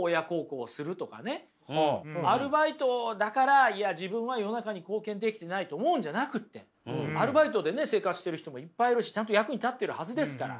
アルバイトだからいや自分は世の中に貢献できてないと思うんじゃなくてアルバイトで生活している人もいっぱいいるしちゃんと役に立っているはずですから。